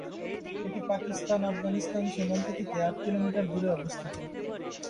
এটি পাকিস্তান- আফগানিস্তান সীমান্ত থেকে আট কিলোমিটার দূরে অবস্থিত।